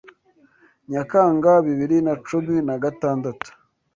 Nyakanga bibiri na cumi na gatandatu